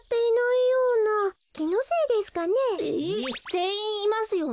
ぜんいんいますよね？